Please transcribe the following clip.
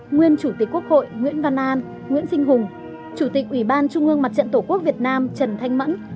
nguyên chủ tịch quốc hội nguyễn văn an nguyễn sinh hùng chủ tịch ủy ban trung ương mặt trận tổ quốc việt nam trần thanh mẫn